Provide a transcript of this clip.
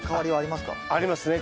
ありますね